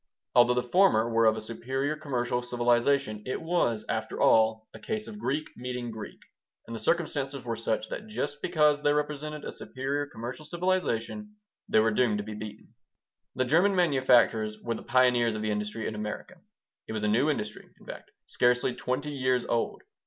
Although the former were of a superior commercial civilization, it was, after all, a case of Greek meeting Greek, and the circumstances were such that just because they represented a superior commercial civilization they were doomed to be beaten The German manufacturers were the pioneers of the industry in America. It was a new industry, in fact, scarcely twenty years old.